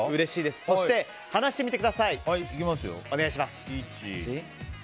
そして、放してみてください。